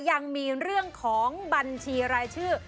ยังมีเรื่องของบัญชีรายชื่อ